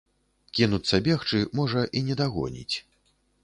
Кінуцца бегчы, можа, і не дагоніць.